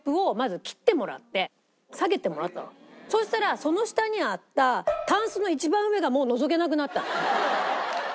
そしたらその下にあったタンスの一番上がもうのぞけなくなったの。